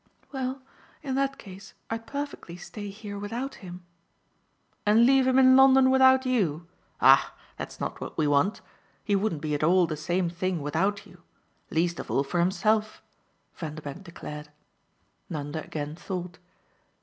"Well, in that case I'd perfectly stay here without him." "And leave him in London without YOU? Ah that's not what we want: he wouldn't be at all the same thing without you. Least of all for himself!" Vanderbank declared. Nanda again thought.